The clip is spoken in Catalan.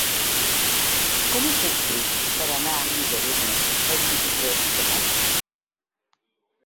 Com ho puc fer per anar a Riudarenes el vint-i-tres de maig?